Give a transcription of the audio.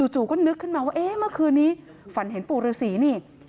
จู่ก็นึกขึ้นมาว่าเอ๊ะเมื่อคืนนี้ฝันเห็นปู่ฤษีนี่